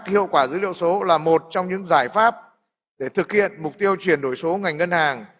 hiệu quả dữ liệu số là một trong những giải pháp để thực hiện mục tiêu chuyển đổi số ngành ngân hàng